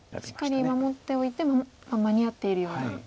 しっかり守っておいても間に合ってるような。